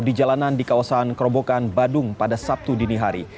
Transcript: di jalanan di kawasan kerobokan badung pada sabtu dini hari